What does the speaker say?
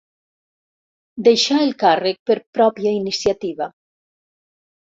Deixà el càrrec per pròpia iniciativa.